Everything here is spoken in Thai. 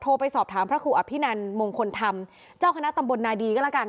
ไปสอบถามพระครูอภินันมงคลธรรมเจ้าคณะตำบลนาดีก็แล้วกัน